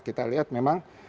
kita lihat memang